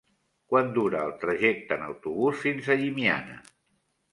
Quant dura el trajecte en autobús fins a Llimiana?